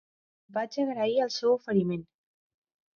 Vaig agrair el seu oferiment.